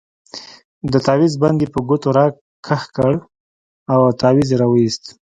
د تاويز بند يې په ګوتو راكښ كړ تاويز يې راوايست.